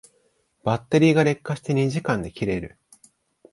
バッテリーが劣化して二時間で切れる